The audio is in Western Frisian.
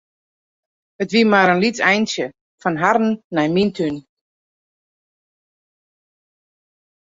It wie mar in lyts eintsje fan harren nei myn tún.